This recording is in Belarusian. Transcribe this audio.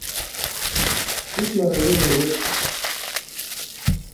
Тут на раёне рэдка.